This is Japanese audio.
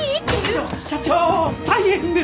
社長社長大変です！